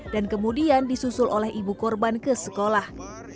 dan kemudian disusul oleh ibu korban ke sekolah